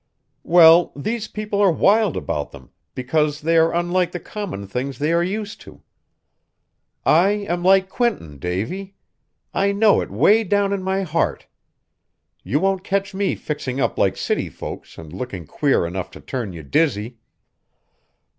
"Well, these people are wild about them because they are unlike the common things they are used to. I am like Quinton, Davy; I know it way down in my heart. You won't catch me fixing up like city folks and looking queer enough to turn you dizzy.